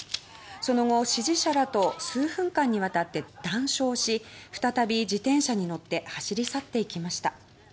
その後、支持者らと談笑し再び自転車に乗って走り去っていきました。